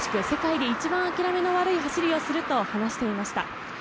世界で一番諦めの悪い走りをすると話していました。